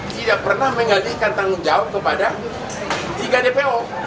tidak pernah menggalikan tanggung jawab kepada tiga dpo